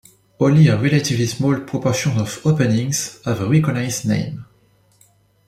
Only a relatively small proportion of openings have a recognised name.